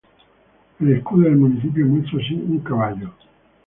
El escudo del municipio muestra así un caballo.